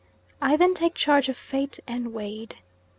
I then take charge of Fate and wade.